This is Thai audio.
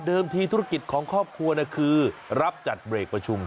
ทีธุรกิจของครอบครัวคือรับจัดเบรกประชุม